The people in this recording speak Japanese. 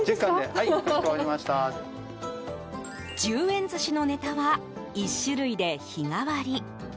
１０円寿司のネタは１種類で日替わり。